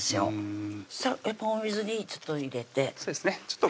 うんさっお水にちょっと入れてそうですね